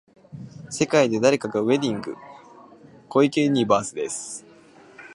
世界で誰かがウェイティング、小池ユニバースです。